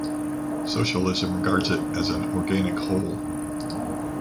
Socialism regards it as an organic whole.